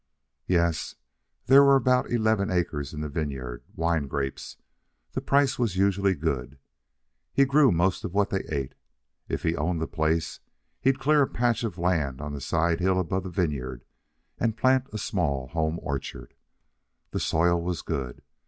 Yes, there were about eleven acres in the vineyard wine grapes. The price was usually good. He grew most of what they ate. If he owned the place, he'd clear a patch of land on the side hill above the vineyard and plant a small home orchard. The soil was good.